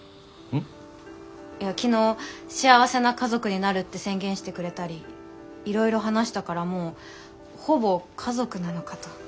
いや昨日幸せな家族になるって宣言してくれたりいろいろ話したからもうほぼ家族なのかと。